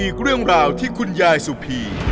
อีกเรื่องราวที่คุณยายสุพี